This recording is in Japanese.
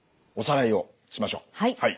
はい。